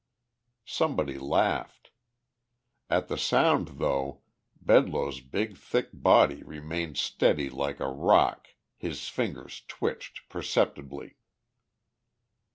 Somebody laughed. At the sound though Bedloe's big thick body remained steady like a rock his fingers twitched perceptibly.